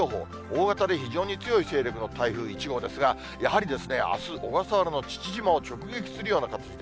大型で非常に強い勢力の台風１号ですが、やはりあす、小笠原の父島を直撃するような形です。